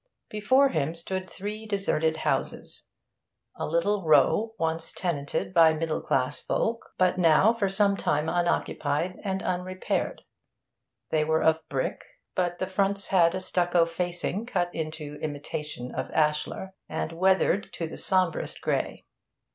Before him stood three deserted houses, a little row once tenanted by middle class folk, but now for some time unoccupied and unrepaired. They were of brick, but the fronts had a stucco facing cut into imitation of ashlar, and weathered to the sombrest grey.